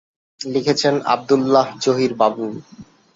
লিখেছেন আব্দুল্লাহ জহির বাবু।